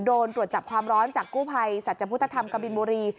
โดนตรวจจับความร้อนจากกู้ภัยสัจพุทธธรรมกบินบุรี